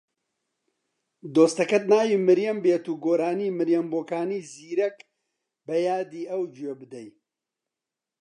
دۆستەکەت ناوی مریەم بێت و گۆرانی مریەم بۆکانی زیرەک بە یادی ئەو گوێ بدەی